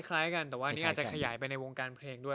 คล้ายกันแต่ว่าอันนี้อาจจะขยายไปในวงการเพลงด้วย